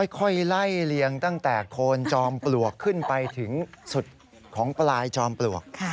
ค่อยไล่เลียงตั้งแต่โคนจอมปลวกขึ้นไปถึงสุดของปลายจอมปลวก